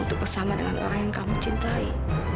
untuk bersama dengan orang yang kamu cintai